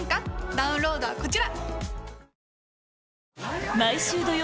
ダウンロードはこちら！